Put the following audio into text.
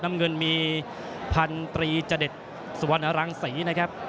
น้ำเงินมีพันตรีจเด็ดสุวรรณรังศรีนะครับ